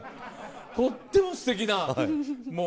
とってもステキなもう。